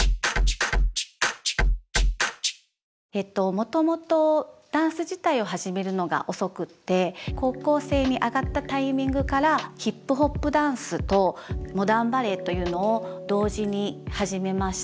もともとダンス自体を始めるのが遅くて高校生に上がったタイミングからヒップホップダンスとモダンバレエというのを同時に始めました。